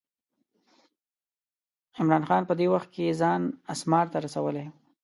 عمرا خان په دې وخت کې ځان اسمار ته رسولی و.